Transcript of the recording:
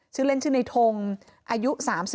ชื่อเล่นชื่อในทงอายุ๓๒